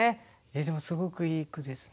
でもすごくいい句ですね。